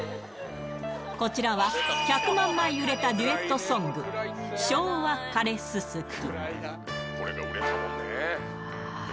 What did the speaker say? こちらは、１００万枚売れたデュエットソング、昭和枯れすゝき。